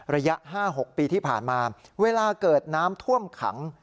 ระยะ๕๖ปีที่ผ่านมาเวลาเกิดน้ำท่วมขัง